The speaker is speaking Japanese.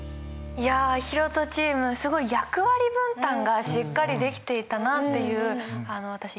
いやひろとチームすごい役割分担がしっかりできていたなっていう私